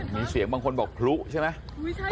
มีเสียงบางคนบอกพลุใช่ไหม